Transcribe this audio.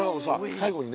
最後にね